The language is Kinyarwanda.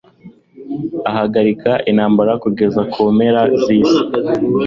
Ahagarika intambara kugeza ku mpera z’isi